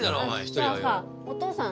じゃあさお父さん